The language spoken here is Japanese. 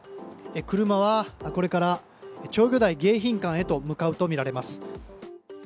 車はこれから釣魚台迎賓館へと向かうとみられます。